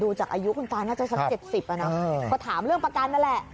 จากอายุคุณตาน่าจะสัก๗๐อ่ะนะก็ถามเรื่องประกันนั่นแหละ